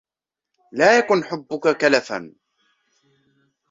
لَا يَكُنْ حُبُّك كَلَفًا